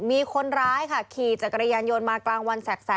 มีคนร้ายค่ะขี่จักรยานยนต์มากลางวันแสก